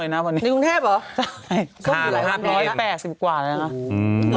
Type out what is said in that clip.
ในกรุงเทปเหรอ